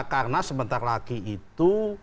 karena sebentar lagi itu